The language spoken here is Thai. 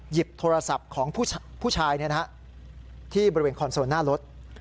หยิบโทรศัพท์ของผู้ชายที่บริเวณคอนโซลหน้ารถ